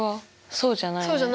そうじゃないね。